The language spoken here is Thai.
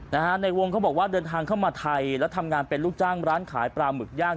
ในวงเขาบอกว่าเดินทางเข้ามาไทยแล้วทำงานเป็นลูกจ้างร้านขายปลาหมึกย่าง